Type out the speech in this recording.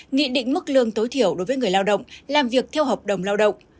nghị định mức lương tối thiểu đối với người lao động làm việc theo hợp đồng lao động